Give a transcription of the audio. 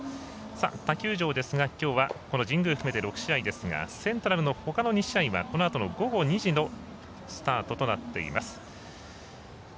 他球場ですがきょうは神宮含めて６試合ですがセントラルのほかの２試合はこのあと午後２時のスタートとなっています。